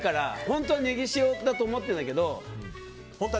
本当はねぎ塩だと思ってるけど。